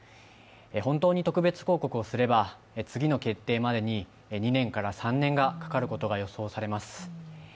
本当に特別抗告をすれば次の決定までに２年から３年がかかることが予想されます。